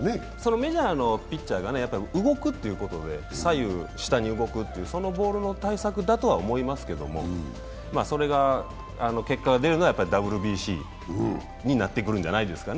メジャーのピッチャーが左右、下に動くということでそのボールの対策だとは思いますけれどもそれが結果が出るのはＷＢＣになってくるんじゃないですかね。